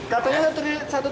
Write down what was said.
katanya satu triliun